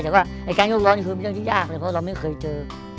แต่การยุกล้อนี่คือเรื่องที่ยากเลยเพราะเราไม่เคยเจอ